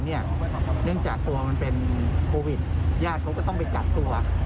เนื่องจากตัวมันเป็นโควิดญาติเขาก็ต้องไปกักตัว